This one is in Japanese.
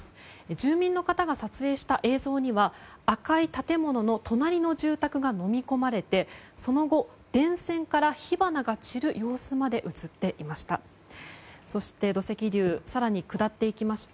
住民の方が撮影した映像には赤い建物の隣の住宅がのみ込まれてその後、電線から火花が散る様子まで映っていました。